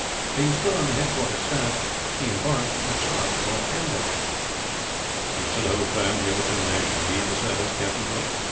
Being still on the headquarter staff, he embarked with Sir Archibald Campbell. "You still hold firm to your determination to leave the service, Captain Brooke?"